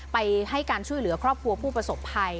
ไปให้การช่วยเหลือครอบครัวผู้ประสบภัย